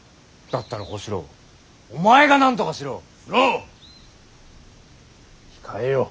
だったら小四郎お前がなんとかしろ！